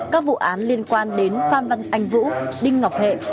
các vụ án liên quan đến phan văn anh vũ đinh ngọc hệ